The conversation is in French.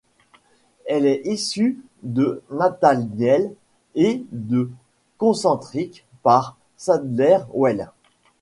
Elle est issue de Nathaniel et de Concentric, par Sadler's Wells.